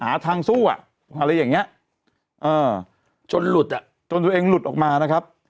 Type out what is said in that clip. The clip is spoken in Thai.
หาทางสู้อ่ะอะไรอย่างเงี้ยจนหลุดอ่ะจนตัวเองหลุดออกมานะครับ